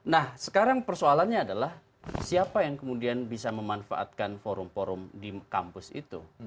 nah sekarang persoalannya adalah siapa yang kemudian bisa memanfaatkan forum forum di kampus itu